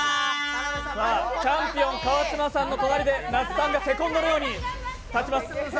チャンピオン・川島さんの隣で那須さんがセコンドのように立ちます。